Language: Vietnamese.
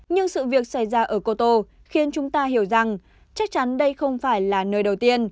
nhưng sự việc xảy ra ở cô tô khiến chúng ta hiểu rằng chắc chắn đây không phải là nơi đầu tiên